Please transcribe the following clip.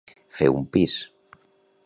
Fer un pis.